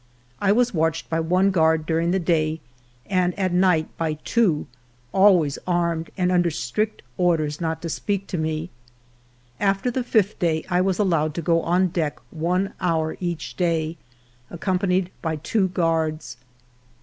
I was watched by one guard during the day and at night by two, always armed and under strict orders not to speak to me. After the fifth day I was allowed to go on deck one hour each day, accompanied by two guards.